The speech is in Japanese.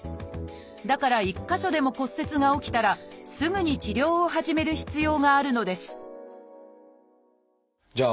だから１か所でも骨折が起きたらすぐに治療を始める必要があるのですじゃあ